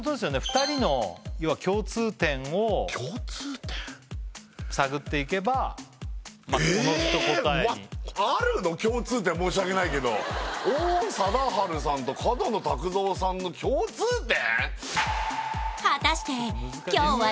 ２人の共通点を探っていけばおのずと答えに共通点申し訳ないけど王貞治さんと角野卓造さんの共通点？